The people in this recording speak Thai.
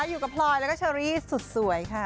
อยู่กับพลอยแล้วก็เชอรี่สุดสวยค่ะ